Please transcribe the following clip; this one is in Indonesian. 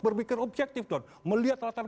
berpikir objektif don melihat latar